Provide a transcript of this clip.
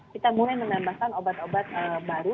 kita mulai menambahkan obat obat baru